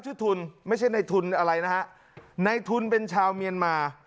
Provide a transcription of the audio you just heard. ทุนไม่ใช่ในทุนอะไรนะฮะในทุนเป็นชาวเมียนมา